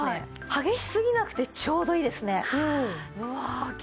激しすぎなくてちょうどいいですね。